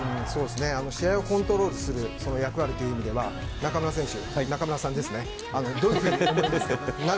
試合をコントロールする役割という意味では中村選手、中村さんですね。